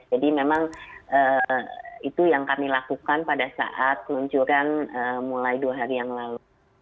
memang itu yang kami lakukan pada saat peluncuran mulai dua hari yang lalu